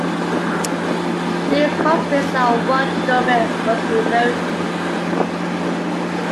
These constraints are what Dummett was referring to.